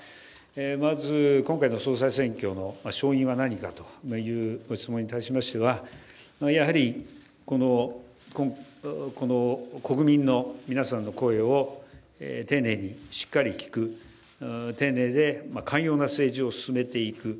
まず今回の総裁選挙の勝因は何かというご質問に対しましてはやはり国民の皆さんの声を丁寧にしっかり聞く丁寧で寛容な政治を進めていく。